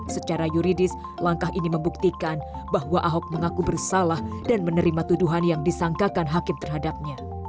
secara yuridis langkah ini membuktikan bahwa ahok mengaku bersalah dan menerima tuduhan yang disangkakan hakim terhadapnya